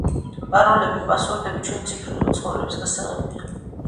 პაროლები პასვორდები ჩვენი ციფრული ცხოვრების გასაღებია.